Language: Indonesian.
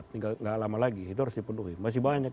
tidak lama lagi itu harus dipenuhi masih banyak